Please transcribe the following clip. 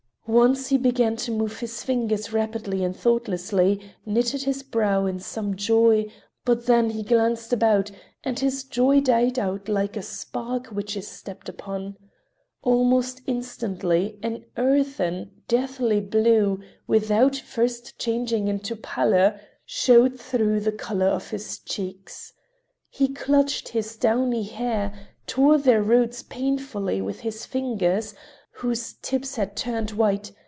Once he began to move his fingers rapidly and thoughtlessly, knitted his brow in some joy, but then he glanced about and his joy died out like a spark which is stepped upon. Almost instantly an earthen, deathly blue, without first changing into pallor, showed through the color of his cheeks. He clutched his downy hair, tore their roots painfully with his fingers, whose tips had turned white.